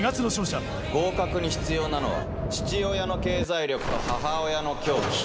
合格に必要なのは父親の経済力と母親の狂気。